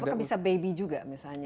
apakah bisa baby juga misalnya